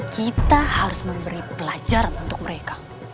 kita harus memberi pelajaran untuk mereka